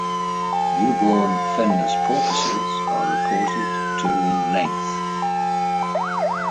Newborn finless porpoises are reported to in length.